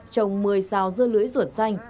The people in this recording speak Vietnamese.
trồng một mươi sao dưa lưới ruột xanh